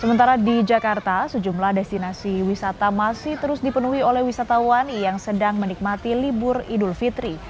sementara di jakarta sejumlah destinasi wisata masih terus dipenuhi oleh wisatawan yang sedang menikmati libur idul fitri